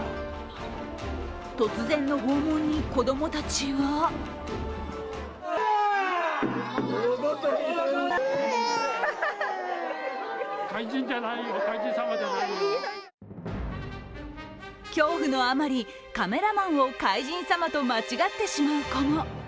突然の訪問に子供たちは恐怖のあまり、カメラマンを海神様と間違ってしまう子も。